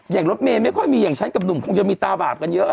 รถเมย์ไม่ค่อยมีอย่างฉันกับหนุ่มคงจะมีตาบาปกันเยอะ